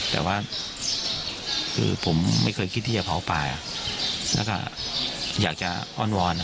แต่ว่าคือผมไม่เคยคิดจะเผาปลาอยากจะอ้อนวอน